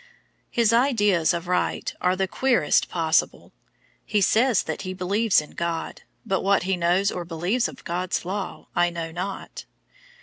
His ideas of right are the queerest possible. He says that he believes in God, but what he knows or believes of God's law I know not.